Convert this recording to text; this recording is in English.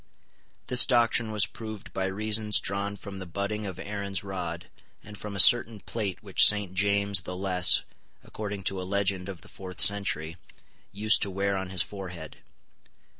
This doctrine was proved by reasons drawn from the budding of Aaron's rod, and from a certain plate which Saint James the Less, according to a legend of the fourth century, used to wear on his forehead.